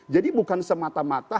jadi bukan semata mata